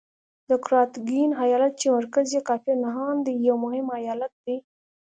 د قراتګین ایالت چې مرکز یې کافر نهان دی یو مهم ایالت دی.